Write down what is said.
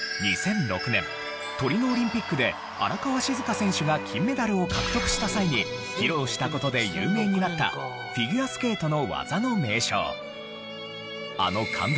２００６年トリノオリンピックで荒川静香選手が金メダルを獲得した際に披露した事で有名になったフィギュアスケートの技の名称。